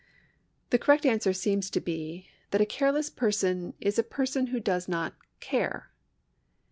The correct answer seems to be that a careless person is a person who does not care.